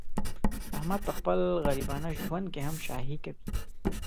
احمد په خپل غریبانه ژوند کې هم شاهي کوي.